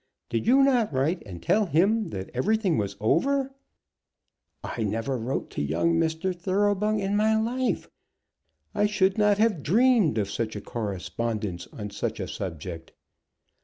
Did you not write and tell him that everything was over?" "I never wrote to young Mr. Thoroughbung in my life. I should not have dreamed of such a correspondence on such a subject."